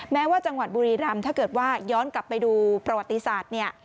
แม้ว่าจังหวัดบุรีรำถ้าเกิดว่าย้อนกลับไปดูประวัติศาสตร์เนี่ย